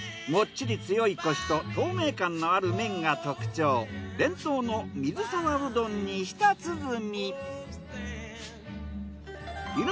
もっちり強いコシと透明感のある麺が特徴伝統の水沢うどんに舌鼓。